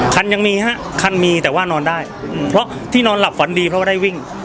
ยังมีฮะคันมีแต่ว่านอนได้เพราะที่นอนหลับฝันดีเพราะว่าได้วิ่ง